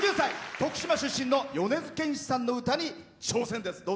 徳島出身の米津玄師さんの歌に挑戦です。